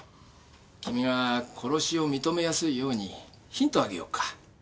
君が殺しを認めやすいようにヒントをあげようか。